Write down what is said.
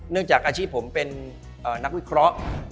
เนื่องจากอาชีพผมเป็อนักวิเคราะห์